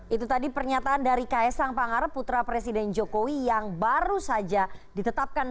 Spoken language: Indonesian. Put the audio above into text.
itu tadi pernyataan dari ks sang pangarep putra presiden jokowi yang baru saja ditetapkan